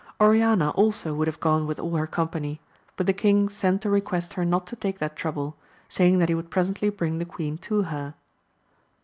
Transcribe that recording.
Oriana also would have gone with all her company ; but the king sent to request her not to take that trouble, saying that he would presently bring the queen to her.